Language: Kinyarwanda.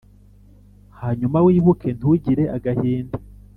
hanyuma, wibuke, ntugire agahinda: